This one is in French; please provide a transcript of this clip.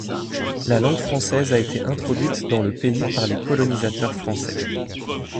La langue française a été introduite dans le pays par les colonisateurs français.